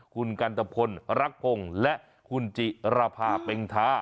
คุณกัณฑพลรักธงษ์และคุณจิรพาเบงทา